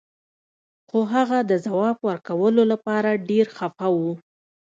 خو هغه د ځواب ورکولو لپاره ډیر خفه و